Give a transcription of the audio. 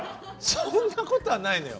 そんなことはないのよ。